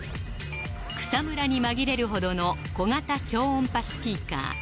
草むらに紛れるほどの小型超音波スピーカー